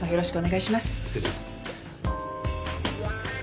失礼します。